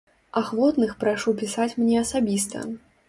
Ахвотных прашу пісаць мне асабіста.